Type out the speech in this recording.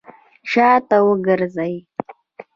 شاته وګرځئ!